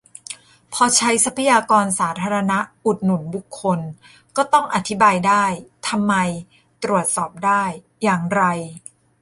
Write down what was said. พอใช้ทรัพยากรสาธารณะอุดหนุนบุคคล ก็ต้องอธิบายได้-ทำไม ตรวจสอบได้-อย่างไร